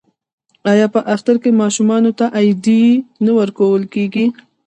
آیا په اختر کې ماشومانو ته ایډي نه ورکول کیږي؟